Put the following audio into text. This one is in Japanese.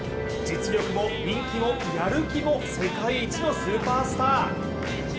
実力も人気もやる気も世界一のスーパースター。